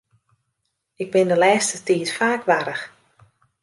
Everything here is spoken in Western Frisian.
Ik bin de lêste tiid faak warch.